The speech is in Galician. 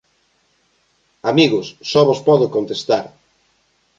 Amigos, só vos podo contestar: